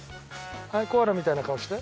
はいコアラみたいな顔して。